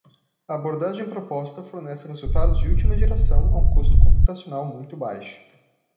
A abordagem proposta fornece resultados de última geração a um custo computacional muito baixo.